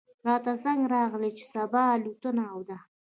راته زنګ راغی چې صبا الوتنه ده.